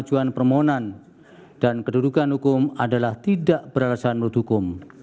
tujuan permohonan dan kedudukan hukum adalah tidak beralasan menurut hukum